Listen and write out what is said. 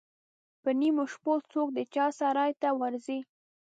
پر نیمو شپو څوک د چا سرای ته ورځي.